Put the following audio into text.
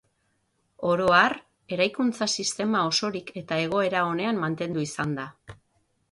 Oro har, eraikuntza-sistema osorik eta egoera onean mantendu izan da.